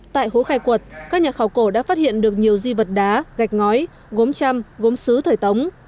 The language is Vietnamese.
tại hố khai quật các nhà khảo cổ đã phát hiện được nhiều di vật đá gạch ngói gốm trăm gốm xứ thời tống